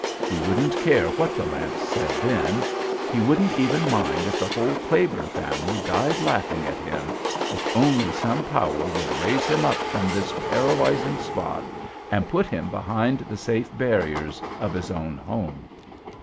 He wouldn't care what the lamps said then. He wouldn't even mind if the whole Claiborne family died laughing at him—if only some power would raise him up from this paralyzing spot and put him behind the safe barriers of his own home!